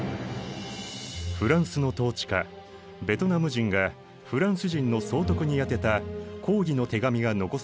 フランスの統治下ベトナム人がフランス人の総督に宛てた抗議の手紙が残されている。